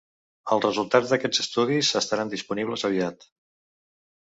Els resultats d'aquests estudis estaran disponibles aviat.